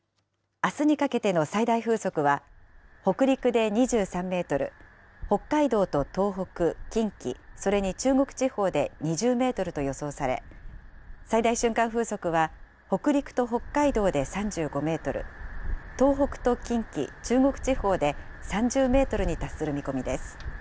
あすにかけての最大風速は、北陸で２３メートル、北海道と東北、近畿、それに中国地方で２０メートルと予想され、最大瞬間風速は北陸と北海道で３５メートル、東北と近畿、中国地方で３０メートルに達する見込みです。